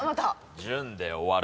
潤で終わる。